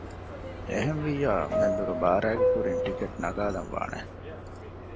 އެހެންވިއްޔާ މެންދުރު ބާރައިގެ ކުރިން ޓިކެޓް ނަގާލައްވަން ވާނެ